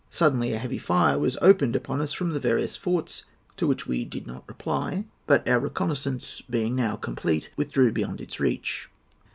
Suddenly a heavy fire was opened upon us from the various forts, to which we did not reply, but, our reconnoissance being now complete, withdrew beyond its reach.